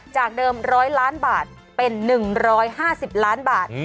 จากเดิม๑๐๐ล้านบาทเป็น๑๕๐ล้านบาท